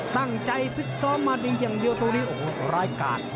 ตั้งใจทิศอมมาดีอย่างเดียวตรงนี้โอ้โหรายกัฬ